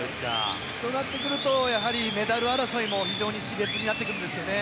となってくるとメダル争いも非常に熾烈になってくるんですよね。